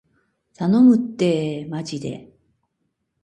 頼むってーまじで